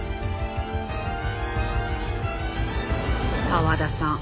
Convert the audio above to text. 沢田さん